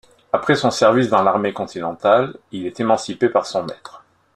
Après son service dans l'Armée continentale, il est émancipé par son maître.